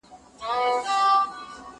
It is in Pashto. لا په زړه كي مي هغه نشه تازه ده